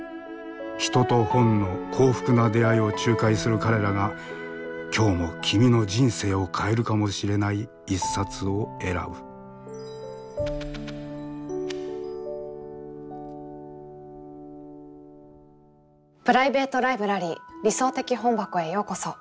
人と本の幸福な出会いを仲介する彼らが今日も君の人生を変えるかもしれない一冊を選ぶプライベート・ライブラリー「理想的本箱」へようこそ。